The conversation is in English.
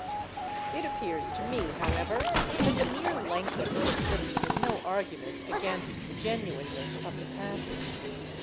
It appears to me, however, that the mere length of the description is no argument against the genuineness of the passage.